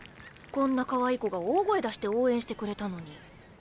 こんなかわいい子が大声出して応援してくれたのに。